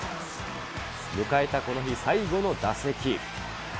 迎えたこの日、最後の打席。